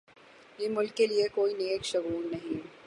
یہ ملک کے لئے کوئی نیک شگون نہیں۔